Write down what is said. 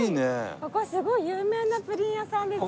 ここすごい有名なプリン屋さんですよね。